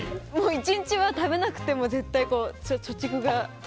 １日は食べなくても、貯蓄が。